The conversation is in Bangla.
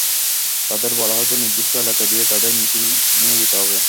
তাদের বলা হতো, নির্দিষ্ট এলাকা দিয়েই তাদের মিছিল নিয়ে যেতে হবে।